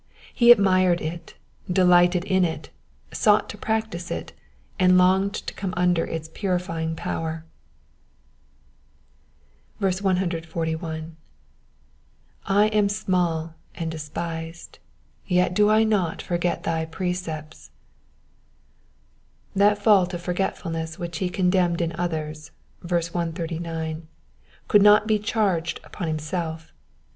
He admired it, delighted in it, sought to practise it, and longed to come ilnder its purifying power. 141. *'/ am small and despised: yet do I not forget thy p7*ecepts.^^ That fault of forgetfulness which he condemned in others (verse 139) could not be charged upon himself.